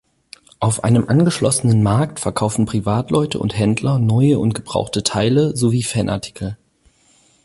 Auf einem angeschlossenen Markt verkaufen Privatleute und Händler neue und gebrauchte Teile sowie Fanartikel.